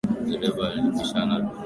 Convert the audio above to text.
Dereva walibishania abiria njiani